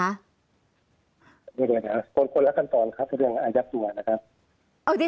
นี่เลยครับคนละกันตอนครับเรื่องอายัดตัวนะครับ